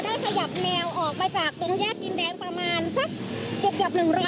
ได้ขยับแนวออกมาจากตรงแยกจินแดงประมาณสักเกือบ๑๐๐เมตรมิดนะคะ